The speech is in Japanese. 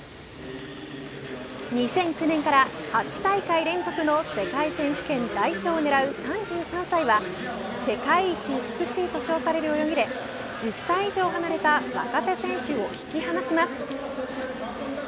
２００９年から８大会連続の世界選手権代表を狙う３３歳は世界一美しいと称される泳ぎで１０歳以上離れた若手選手を引き離します。